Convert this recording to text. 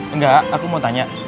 enggak aku mau tanya